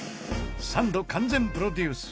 サンド完全プロデュース